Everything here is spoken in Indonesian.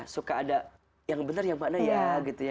suka ada yang benar yang mana ya gitu ya